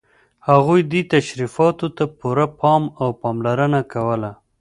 هغوی دې تشریفاتو ته پوره پام او پاملرنه کوله.